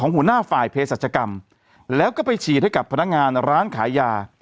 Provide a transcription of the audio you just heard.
หัวหน้าฝ่ายเพศรัชกรรมแล้วก็ไปฉีดให้กับพนักงานร้านขายยา